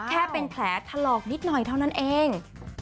แค่เป็นแผลถลอกนิดหน่อยเท่านั้นเอง